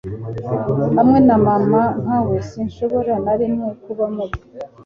hamwe na mama nkawe sinshobora na rimwe kuba mubi